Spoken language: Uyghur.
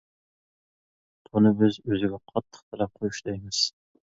بۇنى بىز ئۆزىگە قاتتىق تەلەپ قويۇش دەيمىز.